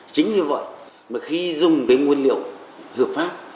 chính vì vậy mà khi dùng cái nguyên liệu hợp pháp